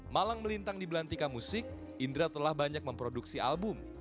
malang melintang di belantika musik indra telah banyak memproduksi album